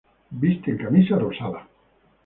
Visten camisa rosada.